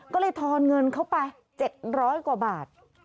ก็เลยทอนเงินเข้าไป๗๐๐กว่าบาท